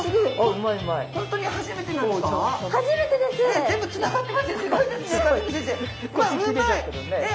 うまい！